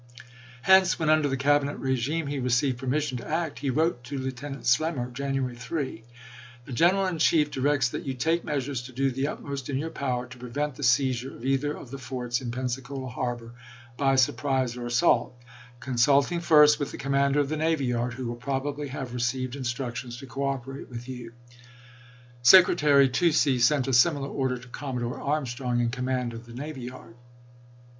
Hence, when under the Cabinet regime he received permission to act, he wrote to Lieutenant Slemmer (January 3) :" The GTeneral irj Chief directs that you take measures to do the utmost in your power to pre vent the seizure of either of the forts in Pensacola Harbor by surprise or assault — consulting first with the commander of the navy yard, who will probably have received instructions to cooperate THE SUMTER AND PICKENS TRUCE 163 with you." Secretary Toucey sent a similar order chap. xi. to Commodore Armstrong, in command of the navy yard.